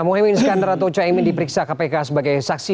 mohaimin skandar atau caimin diperiksa kpk sebagai saksi